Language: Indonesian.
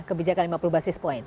kebijakan lima puluh basis point